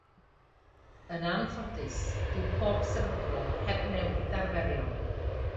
Yn anffodus, dyw pob sefydliad heb newid arferion.